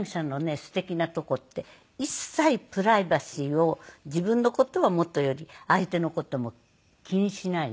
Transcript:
すてきなとこって一切プライバシーを自分の事はもとより相手の事も気にしないの。